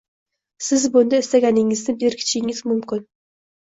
siz bunda istaganingizni berkitishingiz mumkin.